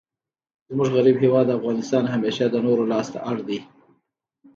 زموږ غریب هیواد افغانستان همېشه د نورو لاس ته اړ دئ.